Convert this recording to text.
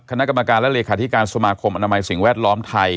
คณะกรรมการและเลขาธิการสมาคมอนามัยสิ่งแวดล้อมไทย